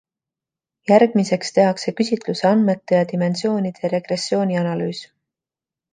Järgmiseks tehakse küsitluse andmete ja dimensioonide regressioonianalüüs.